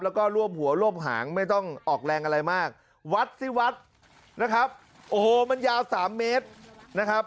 แล้วก็ร่วมหัวร่วมหางไม่ต้องออกแรงอะไรมากวัดสิวัดนะครับโอ้โหมันยาว๓เมตรนะครับ